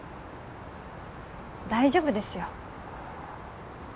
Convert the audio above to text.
大丈夫ですよ